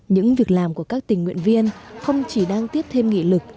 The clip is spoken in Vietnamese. những việc làm của các tình nguyện viên không chỉ đang tiếp thêm nghị lực